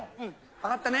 分かったね？